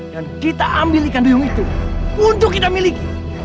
dan kita ambil ikan duyung itu untuk kita miliki